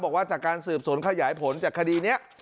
บอกว่าจากการสืบสวนขยายผลจากคดีนี้